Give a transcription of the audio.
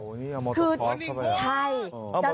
อุ้ยอาหมอเตอร์ไฟคลอสขงาย